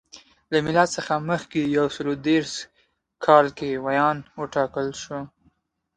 له میلاد څخه مخکې په یو سل درې دېرش کال کې ویاند وټاکل شو.